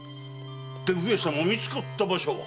で上様見つかった場所は？